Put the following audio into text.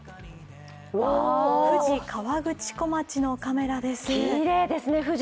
富士河口湖町のカメラです。